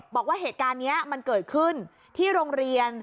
บอกว่าเหตุการณ์นี้มันเกิดขึ้นที่โรงเรียน